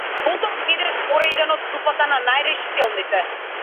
Потоа зеде збор еден од групата на најрешителните.